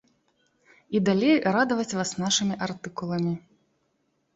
І далей радаваць вас нашымі артыкуламі.